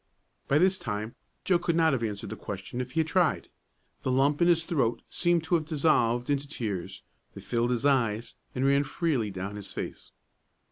But this time Joe could not have answered the question if he had tried. The lump in his throat seemed to have dissolved into tears; they filled his eyes, and ran freely down his face.